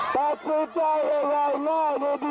สัตว์สินใจในการใหญ่หน่อยนิดเดียว